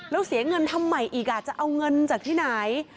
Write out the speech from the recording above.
แล้วเสียเงินทำใหม่อีกจะเอาเงินจากที่ไหน